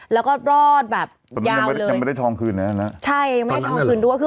แล้วก็รอดแบบยาวเลยตอนนั้นยังไม่ได้ทองคืนนั่น